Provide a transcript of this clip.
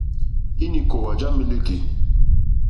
Ínì kòòwà já mílíkì.